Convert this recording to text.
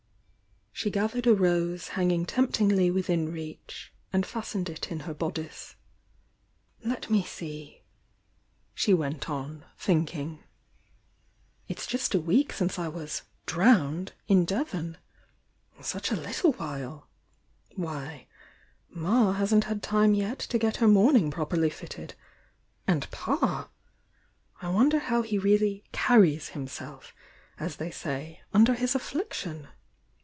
She gathered a rose hanging temptingly within reach, and fastened it in her bodice. "Let me see!" she went on, thinking— "It's just a week since I was 'drowned' in Devon ! Such a little while!— why Ma hasn't had time yet to get her mourning properly fitted! And Pa! I wonder how he really 'carries' himself, aa they say, under his aflBiction!